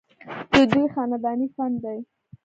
ددوي خانداني فن دے